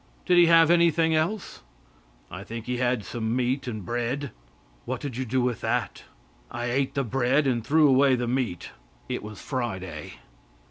"Did he have anything else?" "I think he had some meat and bread." "What did you do with that?" "I ate the bread and threw away the meat; it was Friday."